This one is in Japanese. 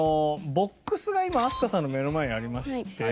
ボックスが今飛鳥さんの目の前にありまして。